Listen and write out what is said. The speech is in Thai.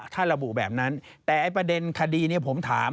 ถ้าระบุแบบนั้นแต่ไอ้ประเด็นคดีนี้ผมถาม